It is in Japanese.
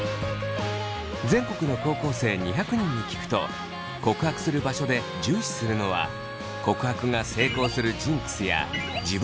全国の高校生２００人に聞くと告白する場所で重視するのは告白が成功するジンクスや自分の理想に合った場所。